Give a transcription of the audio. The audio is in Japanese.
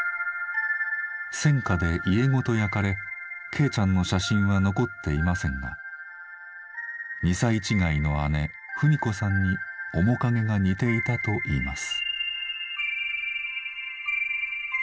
戦火で家ごと焼かれ恵ちゃんの写真は残っていませんが２歳違いの姉文子さんに面影が似ていたといいます。